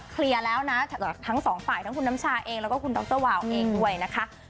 เดี๋ยวปีหน้ารอรุ้นข่าวดีของน้ำชาละกันนะคะ